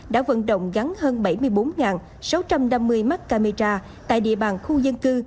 đã vận động gắn hơn bảy mươi bốn sáu trăm năm mươi mắt camera tại địa bàn khu dân cư